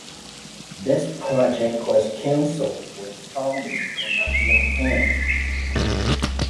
This project was cancelled when funding could not be obtained.